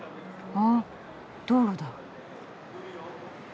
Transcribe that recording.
あっ道路だ。